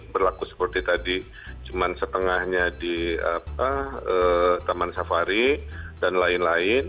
berlaku seperti tadi cuma setengahnya di taman safari dan lain lain